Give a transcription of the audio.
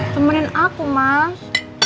temenin aku mas